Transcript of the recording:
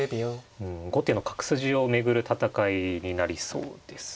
うん後手の角筋を巡る戦いになりそうです。